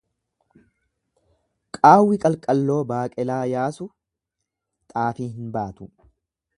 Qaawwi qalqalloo baaqelaa yaasu xaafii hin baatu.